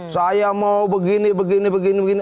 saya mau begini begini begini